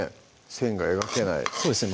線が描けないそうですね